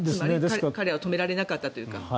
つまり彼を止められなかったというか。